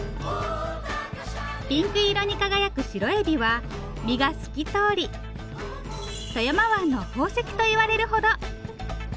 ピンク色に輝くシロエビは身が透き通り「富山湾の宝石」といわれるほど。